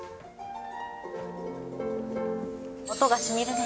音がしみるね。